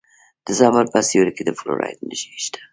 د زابل په سیوري کې د فلورایټ نښې شته.